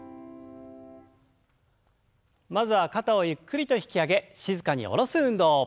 まずは肩をゆっくりと引き上げ静かに下ろす運動。